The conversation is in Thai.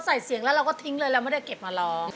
ใส่เสียงแล้วเราก็ทิ้งเลยเราไม่ได้เก็บมาร้อง